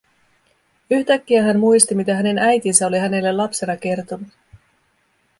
Yhtäkkiä hän muisti, mitä hänen äitinsä oli hänelle lapsena kertonut.